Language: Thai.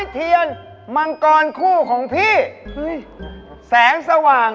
เดี๋ยว